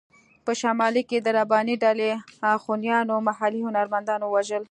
په شمال کې د رباني ډلې اخوانیانو محلي هنرمندان ووژل.